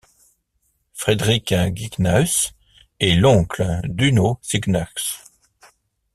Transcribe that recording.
Fredrik Cygnaeus est l'oncle d'Uno Cygnaeus.